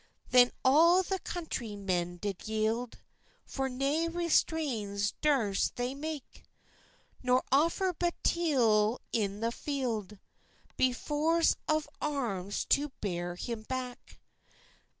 Then all the countrie men did yield; For nae resistans durst they mak, Nor offer batill in the feild, Be forss of arms to beir him bak.